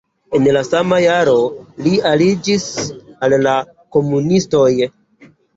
En la sama jaro li aliĝis al la komunistoj.